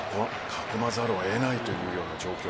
囲まざるを得ないという状況。